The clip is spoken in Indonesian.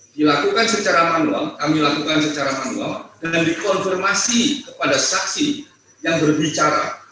dilakukan secara manual kami lakukan secara manual dan dikonfirmasi kepada saksi yang berbicara